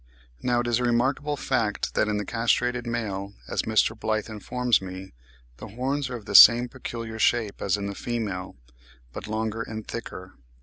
Now it is a remarkable fact that, in the castrated male, as Mr. Blyth informs me, the horns are of the same peculiar shape as in the female, but longer and thicker.